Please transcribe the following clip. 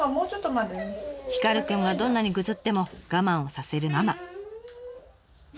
ヒカルくんがどんなにグズっても我慢をさせるママ。